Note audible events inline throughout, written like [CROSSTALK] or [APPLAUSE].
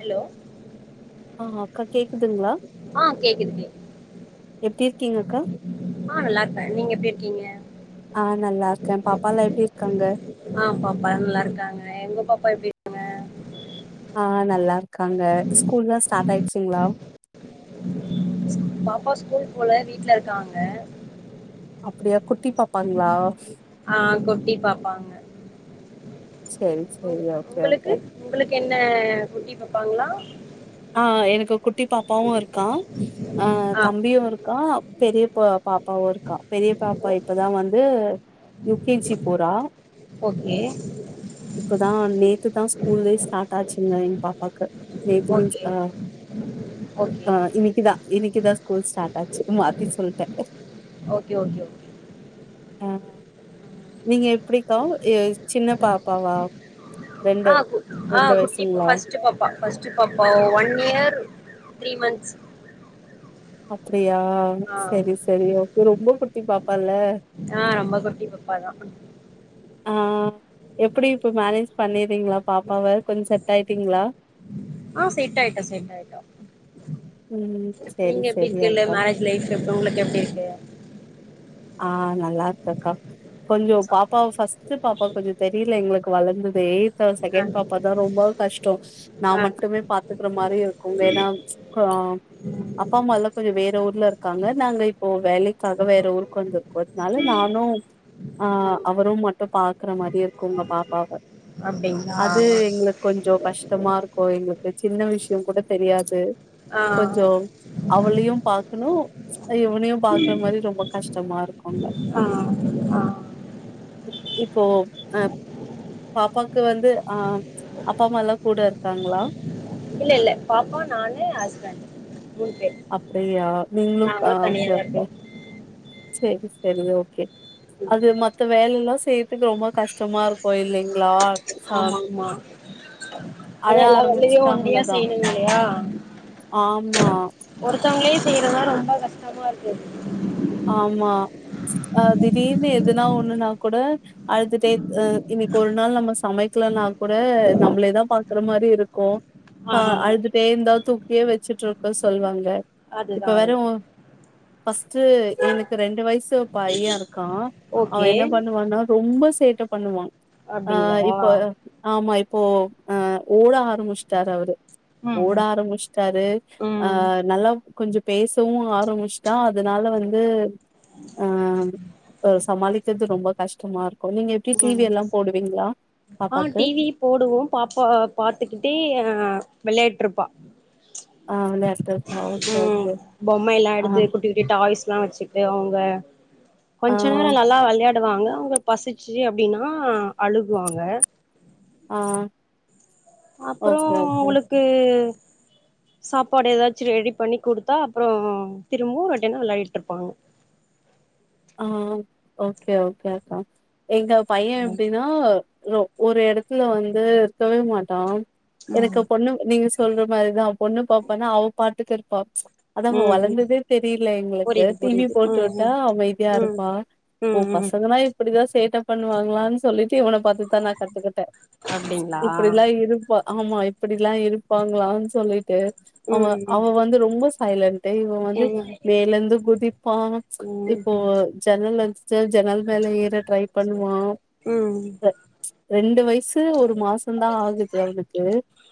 hello ஆ அக்கா கேக்குதுங்ளா ஆ கேக்குது கேக்குது எப்டி இருக்கிங்க அக்கா ஆ நல்லாருப்பே நீங்க எப்டி இருக்கிங்க ஆ நல்லாருக்கே பாப்பால்லா எப்டி இருக்காங்க ஆ நல்லாருக்காங்க எங்க பாப்பா எப்டி இருக்காங்க ஆ நல்லாருக் காங்க ஸ்கூல்லா ஸ்டாட் ஆயி ச்சுங்ளா பாப்பா ஸ்கூல் போல வீட்ல இருக்காங்க அப்பிடியா குட் டி பாப்பாங்களா ஆ குட்டி பாப்பாங்க செரி செரி ஓகே ஓகே னா குட்டி பாப்பாங்களா அஹா எனக்கு குட் டி பாப்பாவு இருக்கா ஆ தம்பியு இருக்கா பெரிய பாப் பாப்பாவு இருக்கா பெரிய பாப்பா இப்பதா வந்து யூ கே ஜி போற ஓகே இப்பதா நேத்து தா ஸ்கூலே ஸ்டாட் ஆச்சுங்க எங் பாப்பாக்கு நேத்து மிஞ் ஓகே ஆஹ் ஓகே ஆஹ் இன்னைக்குதா இன்னைக்குதா ஸ்கூல் ஸ்டாட் ஆச்சு மாத்தி சொல்ட்ட ஓகே ஓகே ஓகே ஆஹ் நீங்க எப்டிக்கா அ சின்ன பாப்பாவா ரெண்டு ஆஹ் கு ரெண்டு ஆஹ் குட்டி பா வயசுங்களா பஸ்ட்டு பாப்பா பஸ்ட்டு பாப்பா ஒன் இயர் த்ரீ மந்த்ஸ் அப்டியா ஆ செரி செரி ஓகே ரொம்ப குட் குட்டி பாப்பா இல்ல ஆஹ் ரொம்ப குட்டி பாப்பாதா ஆஹ் எப்படி இப்ப மேனேஜ் பண்ணிறீங்களா பாப் பவ கொஞ் செட் ஆயிட்டீங்களா ஆஹ் செட் ஆயிட்டோ செட் ஆயிட்டோ ம் சரி நீங்க எப்டி சரி இருக்கேலு அக்கா மேரேஜ் லைஃப் இப்ப உங்களுக்கு எப்டி இருக்கு ஆஹ் நல்லா இருக்குக்கா கொஞ்சோ பாப்பா ஃபர்ஸ்ட்டு பாப்பா கொஞ்ச தெரியல எங்களுக்கு வளந்ததே இதோ செகண்ட் பாப்பா தா ரொம்ப கஷ்டோ நா ஆ ஆ மட்டுமே பாத்துக்கிற மாரி இருக்கு ஏனா அ அப்பா அம்மா எல்லா கொஞ்ச வேற ஊர்ல இருக்காங்க நாங்க இப்போ வேலைக்காக வேற ஊர் கொஞ்சம் கொத்னால நானு ஆஹ் ம் அவரு மட்டு பா இருக்குற மாரி இருக்குங்க பாப்பாவ அப்டிங்களா அது எங்களுக்கு கொஞ்ச கஷ்டமா இருக்கு எங்களுக்கு சின்ன விஷ்யங்கூட தெரியாது ஆ கொஞ்சோ அவளையு பாக்குணு இவனையு பாக்குற மாரி ரொம்ப கஷ் ஆ ஆ இப்போ ஆ பாப்பாக்கு வந்து ஆ அப்பா அம்மா எல்லா கூட இருக்காங்களா இல்ல இல்ல பாப்பா நானு ஹஸ்பண்டு அப்டியா நீங்ளு அ ஓகே தனியாதா ஓகே இருக்கோ செரி செரி து ஓகே அது மத்த வேலலா செய்யறதுக்கு ரொம்ப கஷ்டமா இருக்கு இல்லைங்ளா ஆமாங்மா அழ ஏனா எல்லா வேலையு ஆரம்பிச்சுட்டா ஒண்டியா அவ்ளதா செய்யணு இல்லையா ஆமா ஒருத்தவங்களே செய்யறதா ரொம்ப கஷ்டமா இருக்கு ஆமா அ திடீர்னு எதுனா ஒண்ணுன்னா கூட அழுதுட்டே ஆ இன்னைக்கு ஒரு நாள் நம்ம சமை க்லனா கூட நம்ப்ளே தா பாக்குற மாரி இருக்கு ஆ அ ஆ அழுதுட்டேந்தா தூக்கியே வச்சுட்ருக்க சொல்வாங்க அதுதா இப்ப வேற அதுதா ஓ ஃபஸ்ட்டு எனுக்கு ரெண்டு வய்சு பைய இர்க்கா அவ ஓகே என்ன பண்ணுவன்னா ரொம்ப சேட்டப் பண்ணுவா அ அப்டிங்களா இப்ப ஆமா இப் போ அ ஓட ஆரமுஷ்ட்டாரு அவ்ரு ம் ஓட ஆரமுஷ்ட்டாரு அ ம் நல்லா கொஞ்சு பேசவு ஆரமுஷ்ட்டா அதுனால வந் அ அ சமாளிக்கர்து ரொம்ப கஷ்ட்டமாருக் ம் ஆ பாப்பாக்கு டிவி போடுவோ பாப்பா பாத்துக்கிட்டே அ வெளையேட்ருப்பா ஆ விளையாட்டுக்கா ஓகே ம் ஓகே பொம்மை எல்லா ஆ எடுத்து குட்டி குட்டி டாய்ஸ் எல்லா வச்சுட்டு அவங்க போய் வருவீங்களா ஆ கொஞ்ச நேர நல்லா வெளையா டுவாங்க அவங்க பசிச்சு அப்டின்னா அழுகுவாங்க ஆ அப்பறோ ஓகே ஓகே அவ்ளோளுக்கு சாப்பாடு ஏதாச்சு ரெடி பண்ணி குடுத்தா அப்பறோ திரும்பவு ரொட்டீனா வெளையாடிட்டு இருப்பாங்க ஆ ஓகே ஓகே அக்கா எங்க பைய எப்டின்னா ஒரு எடத்துல வந்து இருக்கவே மாட்டோம் எனக்கு ம் பொண்ணு நீங்க சொல்ற மாதிரிதா ஒண்ணு பாப்பானா அவ பாத்துக்க இருப்பா அதாம ம் வளந்ததே தெரியல எங்களுக்கு புரியுது டி வி புரியுது போட்டுவிட்டா ம் அமைதி ம் ம் ருப்பா ஓ ம் ம் பசங்களா இப்படிதா சேட்ட பண்ணுவாங்களான்னு சொல்லி டு இவன பாத்துதா நா கத்துக்கிட்டே அப்டிங்களா இப்படிலா இருப்ப ஆமா இப்படிலா இருப்பாங்களான் சொல்லிட் டு அவ ம் அவ வந்து ரொம்ப சைலன்ட் இவ வந்து ம் மேல இருந்து குதிப்பா இப் ம் ஓ ஜன்னல்ல இந்த ஜன்னல் மேல ஏற ட்ரை பண்ணுவா ம் ம் ரெண்டு வை சு ஒரு மாசம் தா ஆகுது அவனுக் து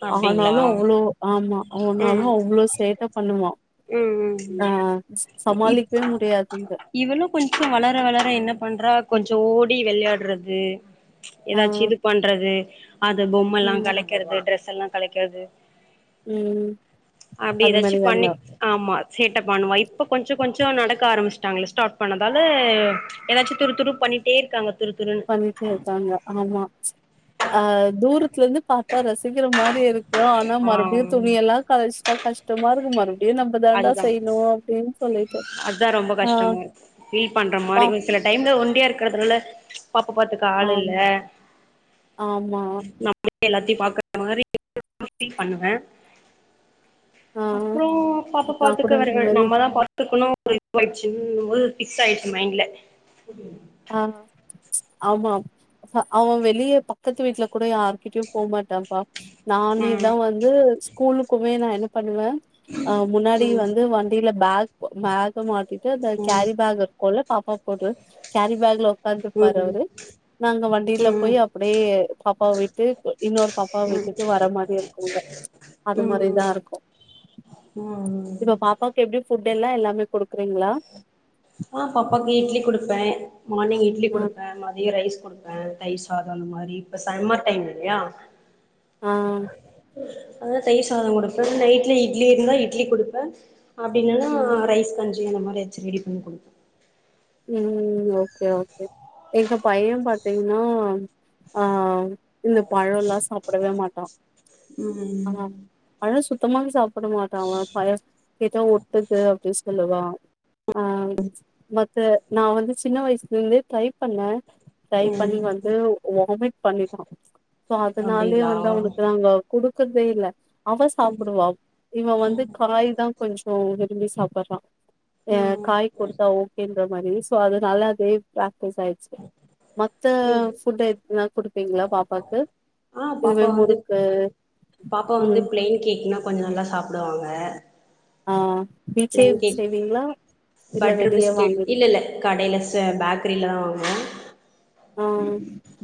அப்டிங்களா ஆனாலு அவ்ளோ ஆமா அவனாலு ம் அவ்ளோ சேட்ட பண்ணுவான் ம் ம் ஆஹ் சமாளிக்கவே முடியாதுங்க இன்னும் கொஞ்சம் வளர வளர என்ன பண்றா கொஞ்சோ ஓடி விளையாடுறது ஆ ஏதாச்சு இது பன்றது அது பொம்மல்லா ம் கலக்கிறது ட்ரஸ் எல்லா கலைக்கிறது உம் அப்படி ஏதாச்சு பண்ணி ஆமா சேட்ட பண்ணுவா இப்போ கொஞ்ச கொஞ்சம் நடக்க ஆரம்பிச்சிட்டாங்களே ஸ்டார்ட் பன்ணது அது ஏதாச்சு துறு துறு பண்ணிட்டே இருக்காங்க துரு துருன்னு பண்ணிட்டே இருக்காங்க ஆமா ஆஹ் தூரத்துல இருந்து பாத்தா ரசிக்கிற மாரி யோ ஆனா ஆ மறுபடியு துணியெல்லா கழச்சிட்டா கஷ் [UNINTELLIGIBLE] அதுதா சொல்லிட்டு அதா ரொம்ப ஆ கஷ்டமா ஃபீல் பண்ற பா மாரி ஒரு சில டைம்ல ஒண்டியா இருக் [UNINTELLIGIBLE] பாப்ப பாத்துக்க ஆள் இல்ல ஆமா ஆமா நம்ம எல்லாத்தையு பாக் [INAUDIBLE] பண்ணுவே ஆ அப்புறோ பாப்பா நா கூட இந்த பாத்துக்கவர்கள் மாரி நம்ம தா பாத்து துக்கணு இதுவாயிடுச்சு ஃபிக்ஸ் ஆயிருச்சு மைண்ட்ல ஆஹ் ஆமாம் அவன் வெளிய பக்கத்து வீட்ல கூட யார்கிட்டயு போமாட் இதான்பா நானே ம் தான் வந்து கூழுக்குமே நா என்ன பண் ணுவே முன்னாடி ம் வந்து வண்டியில பேக் பேக்க மாட்டி அந்த ம் கேரி பேக்ககுள்ள பாப்பா போடு கேரி பேக்ல உக்காந்துப்பாரு ம் அவரு நாங்க வண்டியில போய் ம் அப்டியே பாப்பாவ விட்டு இன்னொரு பாப்பாவ விட்டுட்டு வர மாரி இருக்குங்க அது ம் மாரிதா இருக்கு ம் ம் இப்ப பாப்பாக்கு எப்டி ஃபுட் எல்லா எல்லாமே குடுக்கறிங்ளா ஆ பாப்பாக்கு இட்லி குடுப்பே மார்னிங் இட்லி ஆ குடுப்பே மத்ய ரைஸ் கொடுப்பே தயிர் சாதம் அந்த மாரி இப்ப சம்மர் டைம் இல்லயா அ அதா தயிர் சாத கொடுப்பே நைட் இட்லி இருந்தா இட்லி கொடுப்பே அப்டியில்லனா ம் ரைஸ் கொஞ் அந்தமாரி எந்தச்சு ரெடி பண்ணி கொடு ம் ஓகே ஓகே எங்க பைய பாத்திங்னா அ இந்த பழல்லா சாப்டவே மாட்டா ம் தமாங் சாப் ப்பட மாட்டா அவ [UNINTELLIGIBLE] கேட்டா எதோ ஒட்டுது அப்டின் சொல்லுவா ஆ ம து நா வந்து சின்ன வயசுல இருந்தே ட்ரை பண்ணே டிரைவ் பண்ணி ம் வந்து வாமிட் பண்ணிப்பா சோ அதனாலயே அப்டிங்களா வந்து அவனுக்கு நாங்க குடு றதே இல்ல அவ சாப்டுவா இவ வந்து காய் தா கொஞ்சோ இது இங்கயே சாப்பட்றா எ ம் காய் கொடுத்தா ஓப் ன்ற மாரி சோ அதானால அதே பாக் வயசு ஆயிச்சி மத்த ஃபுட் எதுனாது குடுப்பீங்ளா பாப்பாக்கு ஆ இதுவே பாப்பா வந்து முறுக்கு பாப்பா வந்து ம் பிளைன் கேக்னா கொஞ்சோ நல்லா சாப்டுவாங்க ம் பிளைன் கேக் இல்ல பட்டர் வெளிய பிஸ்கேட் வாங்கி இல்ல இல்ல கடைல த பேக்ரில தா வாங்குவோ ஆ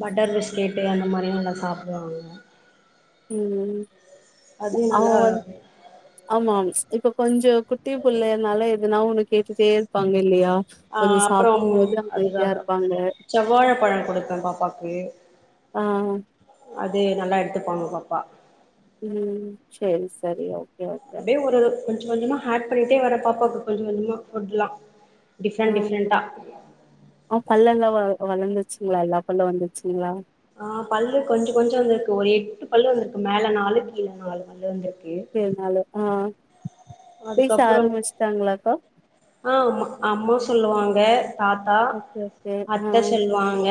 பட்டர்பிஸ் கேட்டே அந்த மாரியு நல்லா சாப்டுவாங்க ம் அது அவங்க நல்லா வந் ஆமா இப்ப கொஞ்சோ குட்டி புள்ளனால எதுனா ஒண்ணு கேட்டுட்டே இருப்பாங்க இல்லயா அ அப்பறோ அதுக்காக இருப்பாங்க செவ்வாழ பழோ குடுத்த பாப்பாக்கு ஆ அது நல்லா எடுத்துப்பாங்க பாப்பா உம் சரி சரி ஓக் அப்டியே ஒரு கொஞ்ச கொஞ்சமா ஹாட் பண்ணிட்டே வர பாப்பாக்கு கொஞ்ச கொஞ்சமா ஃபுட்லா டிஃப்ரெண்ட் ஆஹ் டிஃப்ரெண்ட்டா அவ பல்லல்ல வ வளர்ந்துருச்சுங்ளா எல்லா பல்லு வந்துச்சுங்ளா ஆஹ் பல்லு கொஞ்ச கொஞ்ச வந்திருக்கு ஒரு எட்டு பல்லு வந்திருக்கு மேல நாலு கீழ நாலு பல்லு வந்துருக் மேல நாலு ஆஹ் அதுக்கப்பறம் ஆஹ்ம்மா அம்மா சொ சொல்லுவாங்க தாத்தா ஓகே ஓகே ஆ அத்தை சொல்வாங்க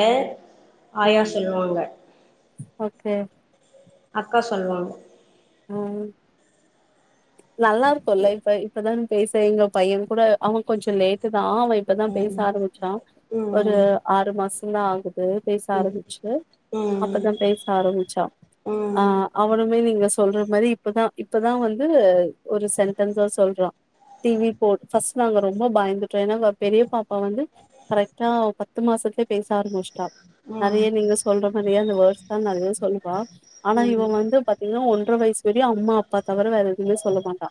ஆ ஆயா சொல்வாங்க ஓகே அக்கா சொல்வாங்க ம் நல்லா இருக்குல்ல இப்ப இப்பதான் பேச எங்க பைய கூட அவ கொஞ்ச லேட்டு தா ஆ அவ இப்பதா பேச ம் ஆரம்பிச்சா ஒரு ம் ஆறு மாசந்தா ஆகுது எப்பவே பேச ம் ஆரம்பிச்சு ம் அப்பதா பேச ஆரம்பிச்சா ம் ஆஹ் அவனுமே நீங்க சொ சொல்ற மாரி இப்பதா இப்பதா வந்து ஒரு சென்டன்சா சொல்றா டி வி போட் ஃபஸ்ட் நாங் ரொம்ப பயந்துட்ட ஏனா இவ பெரிய பாப்பா வந்து கரெக்ட்டா பத்து மாசத்துலே பேச ஆரம்பிச்சுட்டா நெறைய ம் நீங்க சொல்ற மாதிரியே அந்த வேர்டு ஆ நெறைய சொல்லுவா ஆனா இவ ம் வந்து பாத்தீங்ன்னா ஒன் ட்ர வயசு வரையு அம்மா அப்பா தவெர வேறு எதுமே சொல்ல மாட்டா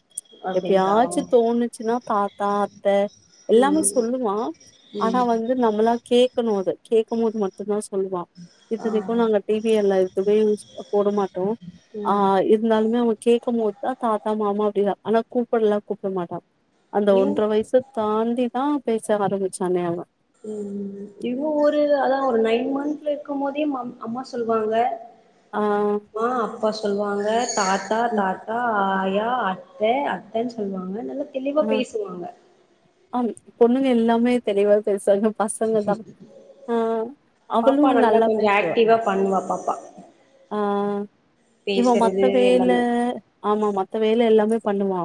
அப்டிங்களா எப்பயாச்சு தோணுச்சுன்னா தாத்தா அத்தை எல்லாமே ம் சொல்லுவா ஆனா ம் வந்து நம்மளா கே க்குமோது கேக்கமோது மட்டு்ந்தா சொ சொல்வா ஆ இத்தனைக்கு நாங்க டி வி எல்ல எதுமே போட மாட்டோ ஆ ம் ஆய் இருந்தாலுமே அவ கேட்கும் போதா தாத்தா மாமா அப்படின்றா ஆனா கூப்பில்லா கூப்ட மாட்டா அந்த இவ் ஒன்ற வயசு தாண்டிதா பேச ஆரம்பிச்சானே அவ ம் இவ ஒரு அதா ஒரு நைன் மந்த்ல இருக்குமோதே மாம் அம்மா சொல்லுவாங்க ஆ அப்பா சொல்வாங்க தாத்தா ம், தாத்தா ஆய் யா அத்த அத்தன் சொல்வாங்க நல்ல தெளிவா ஆ பேசுவாங்க ஆம் பொண்ணுங்க எல்லாமே தெளிவா பேசாங்க பசங்க தா‌ ஆஹ் அவளு பாப்பா நல்லா கொஞ்சோ பேசுவா ஆக்டிவா பண்ணுவா பாப்பா ஆஹ் இவன் மத்த பேசுறது வேல எல்லாமே ஆமா மத்தவேல எல்லாமே பண்ணுவா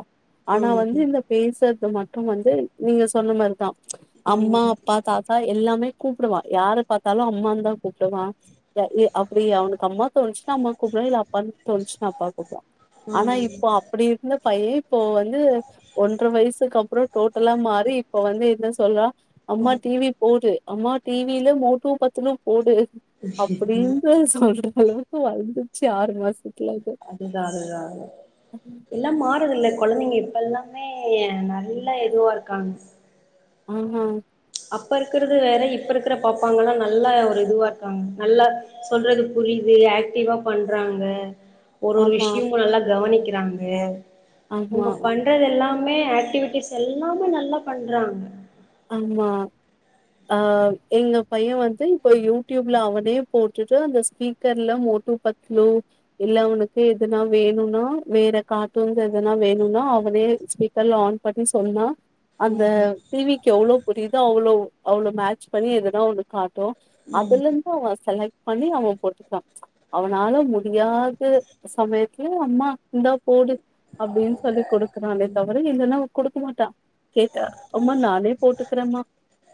ஆனா ம் வந்து இந்த சேட்ட மட்டு வந்து நீங்க சொன்ன மாரி‌தா அம்மா ம் அப்பா தாத்தா எல்லாமே கூப்டுவான் யார பாத்தாலு அம்மானு தா கூப்டுவான் [UNINTELLIGIBLE] அப்டி அவனுக்கு அம்மா தோணுச்சுன்னா அம்மா கூப்பிடுவான் இல்ல அப்பானு தோணுச்சுன்னா அப்பா கூப்பிடுவான் ம் ஆனா இப்போ அப்டி இருந்த பையே இப்போ வந்து ஒன்ற வயசுக்கு அப்றோ டோட்டலா மாறி இப்ப வந்து என்ன சொல்வா அம்மா ம் டீவி போடு அம்மா டிவில மோட்டு பத்லு போடு அப்டின்னு சொல்றா அளவுக்கு வளந்துருச்சு ஆறு மாச அதுதா அதுதா‌ எல்லா மாறதுல கொழந்தைங்க இப்ப எல்லாமே நல்லா இதுவா இருக்காங்க ஆஹ் ஹா அப்ப இருக்குறது வேற இப்ப இருக்கு ற பாப்பாங்கலா நல்லா ஒரு இதுவா இருக்காங்க நல்லா சொல்றது புரிது ஆக்டிவா பண்றாங்க ஒரு ஒரு ஆமா விஷ்யமு நல்லா கவனிக்க றாங்க ஆமா ஆமா அவுங்க பண்றதெல்லா மே ஆக்டிவிட்டிஸ் எல்லாமே நல்லா பண்றாங்க ஆமா ஆஹ் எங்க பையே வந்து இப்ப யூடியூப்ல அவனே போட்டுட்டு அந்த ஸ்பீக்கர்ல மோட்டு பத்லு இல்ல அவனுக்கு எதுனா வேணுனா வேற கார்ட்டூன்ஸ் எதுனா வேணுனா அவனே ஸ்பீக்கர்ல ஆன் பண்ணி சொன்னா அந்த ம் டீவி எவ்ளோ புரியுதோ அவ்ளோ அவ்ளோ மேட்ச் பண்ணி எதுனா ஒன்னு காட் ட்டு ம் அதுலந்து அவ செலக் பண்ணி அவ போட்டுப்பா அவனால முடியாத சமயத்துல அம்மா இந்தா போடு அப்டின்னு சொல்லி குடுக்குறானே தவிர இல்லனா குடுக்கமாட்டா கேட்டா அம்மா நானே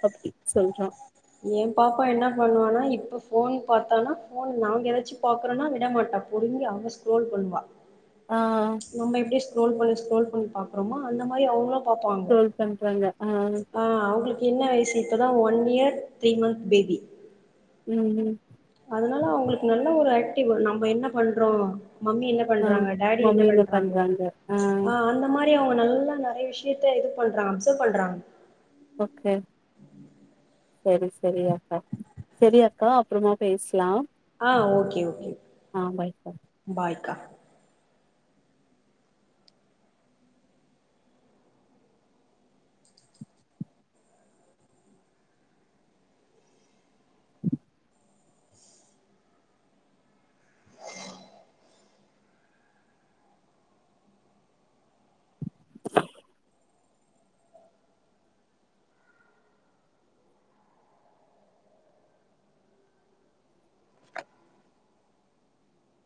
அப்டி சொல்றான் எம் பாப்பா என்ன பண்ணுவானா இப்ப ஃபோன் பாத்தானா ஃபோன் நாங்க ஏதாச்சு பாக்குறோனா விடமாட்டா புடுங்கி அவ ஸ்க்ரோல் பண்ணுவா ஆ நம்ம எப்டி ஸ்க்ரோல் பண்ணி ஸ்க்ரோல் பண்ணி பாக்கறோமா அந்த மாரி அவங்களு பாப்பாங்க ட்ரோல் பண்றாங்க ஆ ஆ அவங்களுக்கு என்ன வயசு இப்பதா one year three month baby ம் ம் அதனால அவங்களுக்கு நல்ல ஒரு ஆக்டிவ் நம்ம என்ன பண்றோ மம்மி என்ன ஆ பண்றாங்க டேடி என்ன பண்றாங்க ஆ அந்த மாரி இப்பவே அவங்க நல்லா நெறைய விஷயத்த இது பண்றாங்க அப்சர்வ் பண்றாங்க ஓகே செரி செரி அக்கா செரி அக்கா அப்பறமா பேசலா ஆ ஓகே ஓகே பாய்கா